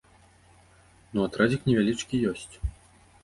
Ну, атрадзік невялічкі ёсць.